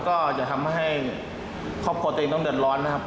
ก็จะทำให้ครอบครัวตัวเองต้องเดือดร้อนนะครับ